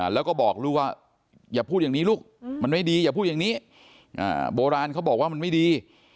แล้วก็บอกลูกว่าอย่าพูดอย่างนี้ลูกมันไม่ดีอย่าพูดอย่างนี้โบราณเขาบอกว่ามันไม่ดี